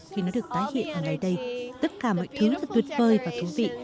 khi nó được tái hiện ở ngày đây tất cả mọi thứ rất tuyệt vời và thú vị